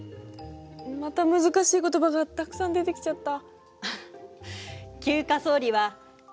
また難しい言葉がたくさん出てきちゃった。